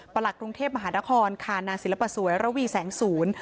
หลักกรุงเทพมหานครค่ะนางศิลปสวยระวีแสงศูนย์